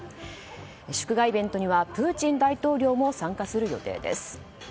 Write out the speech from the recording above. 祝賀イベントにはプーチン大統領も参加する予定です。